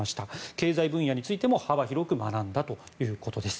経済分野についても幅広く学んだということです。